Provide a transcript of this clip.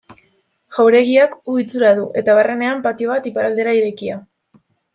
Jauregiak U itxura du eta barrenean patio bat iparraldera irekia.